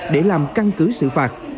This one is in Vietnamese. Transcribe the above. để làm căn cứ xử phạt